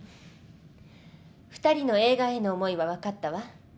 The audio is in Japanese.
２人の映画への思いは分かったわ。